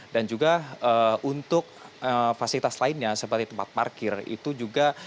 dan juga untuk fasilitas lainnya seperti tempat parkir itu juga